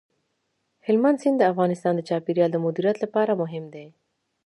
هلمند سیند د افغانستان د چاپیریال د مدیریت لپاره مهم دي.